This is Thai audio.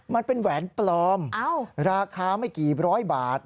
มันเป็นแหวนปลอมราคาไม่กี่ร้อยบาท